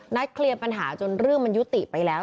เคลียร์ปัญหาจนเรื่องมันยุติไปแล้ว